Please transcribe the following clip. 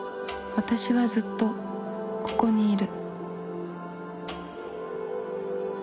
私はずっとここにいる。